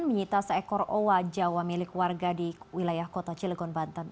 menyita seekor owa jawa milik warga di wilayah kota cilegon banten